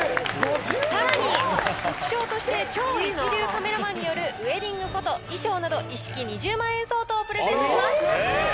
さらに副賞として超一流カメラマンによるウエディングフォト衣装など一式２０万円相当をプレゼントします。